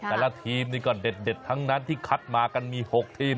แต่ละทีมนี่ก็เด็ดทั้งนั้นที่คัดมากันมี๖ทีม